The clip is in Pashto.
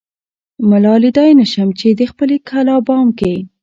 ملا ليدای نه شم دخپلې کلا بام کې